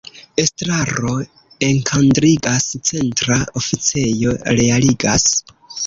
Estraro enkadrigas, centra oficejo realigas.